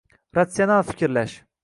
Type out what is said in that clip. Ratsional fikrlash